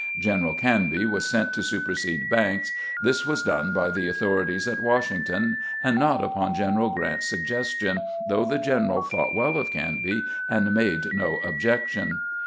General Canby was sent to supersede Banks; this was done by the authorities at Washington, and not upon General Grant's suggestion, though the general thought well of Canby and made no objection.